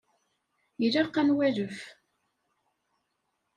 Ilaq ad nwalef.